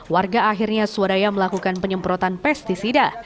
warga akhirnya swadaya melakukan penyemprotan pesticida